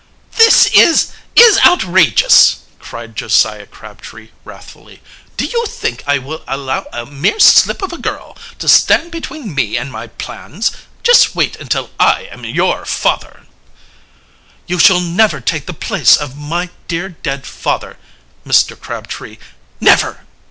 "This is is outrageous!" cried Josiah Crabtree wrathfully. "Do you think I will allow a mere slip of a girl to stand between me and my plans? Just wait until I am your father " "You shall never take the place of my dear dead father, Mr. Crabtree never!"